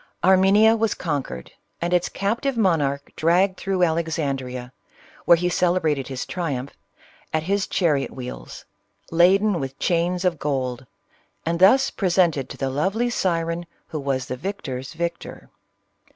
Armenia was conquered, and its captive mon arch dragged through Alexandrea, where he celebra ted his triumph, at his chariot wheels, laden with chains of gold, and thus presented to the lovely siren who was the victor's victor.